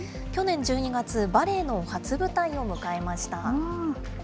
去年１２月、バレエの初舞台を迎えました。